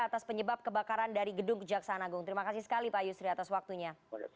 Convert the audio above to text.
atas penyebab kebakaran dari gedung kejaksaan agung terima kasih sekali pak yusri atas waktunya